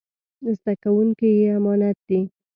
زده کوونکي يې امانت دي.